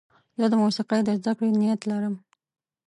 زه د موسیقۍ د زدهکړې نیت لرم.